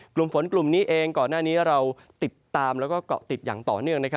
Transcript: กลุ่มฝนกลุ่มนี้เองก่อนหน้านี้เราติดตามแล้วก็เกาะติดอย่างต่อเนื่อง